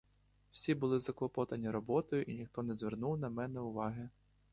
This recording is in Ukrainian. Всі були заклопотані роботою і ніхто не звернув на мене уваги.